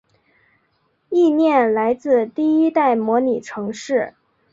意念来自第一代模拟城市。